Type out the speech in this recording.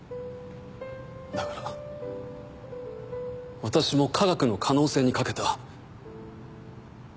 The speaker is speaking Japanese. だから私も科学の可能性にかけた。